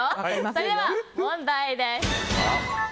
それでは問題です。